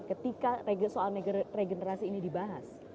ketika soal regenerasi ini dibahas